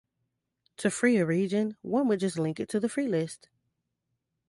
To free a region, one would just link it to the free list.